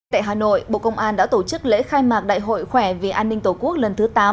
tại hà nội bộ công an đã tổ chức lễ khai mạc đại hội khỏe vì an ninh tổ quốc lần thứ tám